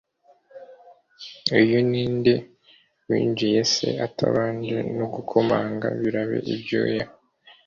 Uyu ninde winjiye c atabanje no gukomanga birabe ibyuya